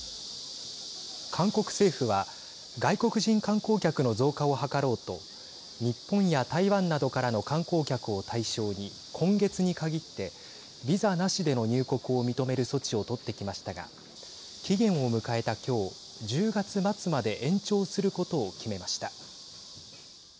韓国政府は外国人観光客の増加を図ろうと日本や台湾などからの観光客を対象に今月に限ってビザなしでの入国を認める措置を取ってきましたが期限を迎えた今日１０月末まで延長することを決めました。